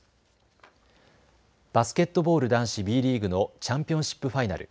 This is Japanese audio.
バスケットボール男子Ｂリーグのチャンピオンシップファイナル。